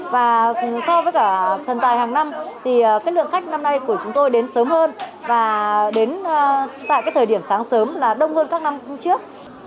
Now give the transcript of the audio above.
và so với cả thần tài hàng năm thì cái lượng khách năm nay của chúng tôi đến sớm hơn và đến tại cái thời điểm sáng sớm là đông hơn các năm trước